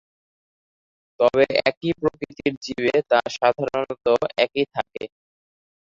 তবে একই প্রকৃতির জীবে তা সাধারণত একই থাকে।